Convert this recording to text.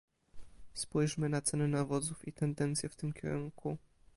Spójrzmy na ceny nawozów i tendencje w tym kierunku